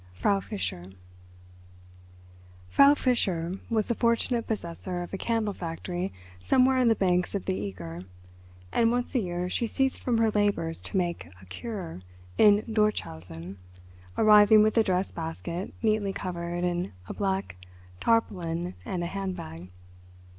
FRAU FISCHER Frau Fischer was the fortunate possessor of a candle factory somewhere on the banks of the Eger, and once a year she ceased from her labours to make a "cure" in Dorschausen, arriving with a dress basket neatly covered in a black tarpaulin and a hand bag.